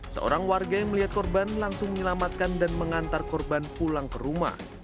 seorang warga yang melihat korban langsung menyelamatkan dan mengantar korban pulang ke rumah